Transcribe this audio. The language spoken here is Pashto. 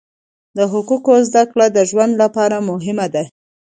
د حقوقو زده کړه د ژوند لپاره مهمه ده.